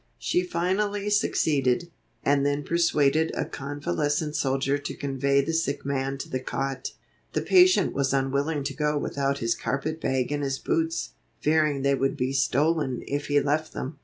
She finally succeeded, and then persuaded a convalescent soldier to convey the sick man to the cot. The patient was unwilling to go without his carpet bag and his boots, fearing they would be stolen if he left them.